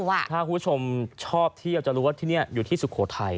ถ้าคุณผู้ชมชอบเที่ยวจะรู้ว่าที่นี่อยู่ที่สุโขทัย